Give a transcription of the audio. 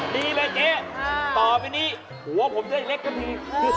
ดีแม่เจ๊ต่อไปนี่หัวผมจะให้เล็กก็ดี